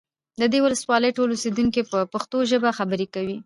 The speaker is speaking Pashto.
د دې ولسوالۍ ټول اوسیدونکي په پښتو ژبه خبرې کوي